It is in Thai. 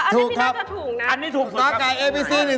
ถูกครับเอาเล่นหนึ่งราคาถูกนะ